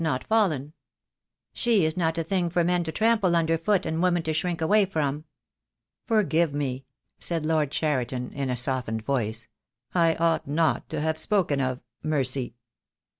not fallen. She is not a thing for men to trample under foot, and women to shrink away from." "Forgive me," said Lord Cheriton, in a softened voice. "I ought not to have spoken of — Mercy."